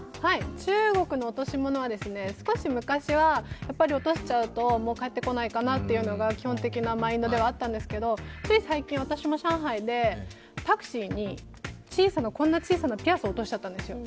中国の落とし物は、少し昔は、落としちゃうともう返ってこないかなというのがマインドであったんですけども、つい最近、私も上海でタクシーにこんな小さなピアスを落としちゃったんですよ。